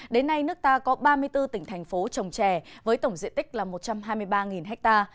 đến nay nước ta có ba mươi bốn tỉnh thành phố trồng trè với tổng diện tích là một trăm hai mươi ba ha